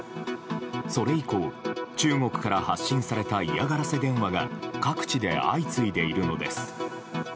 それ以降、中国から発信された嫌がらせ電話が各地で相次いでいるのです。